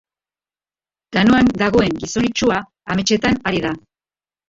Kanoan dagoen gizon itsua ametsetan ari da.